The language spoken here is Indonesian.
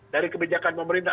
dari kebijakan pemerintah